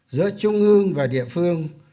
giữa trung ương và địa phương